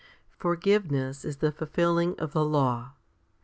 Forgiveness is the fulfilling of the law.